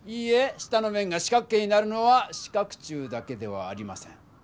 下の面が四角形になるのは四角柱だけではありません。